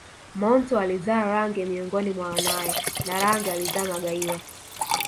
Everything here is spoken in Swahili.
Monto alizaa Range miongoni mwa wanae na Range alizaa Magaiwa